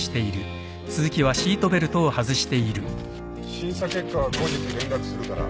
審査結果は後日連絡するから。